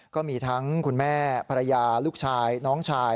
ก็มีทั้งคุณแม่ภรรยาลูกชายน้องชาย